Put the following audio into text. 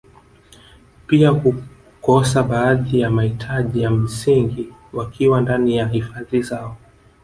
Pia hukosa baadhi ya mahitaji ya msingi wakiwa ndani ya hifadhi zao